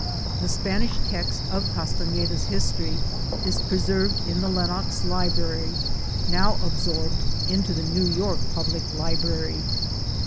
The Spanish text of Castaneda's history is preserved in the Lenox Library, now absorbed into the New York Public Library.